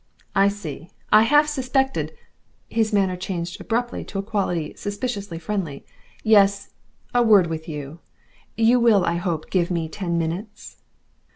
"I see. I half suspected " His manner changed abruptly to a quality suspiciously friendly. "Yes a word with you. You will, I hope, give me ten minutes."